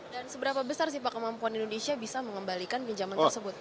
dan seberapa besar sih pak kemampuan indonesia bisa mengembalikan pinjaman tersebut